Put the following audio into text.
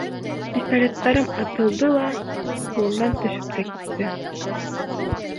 Пистолеттарым атылды ла ҡулымдан төшөп тә китте.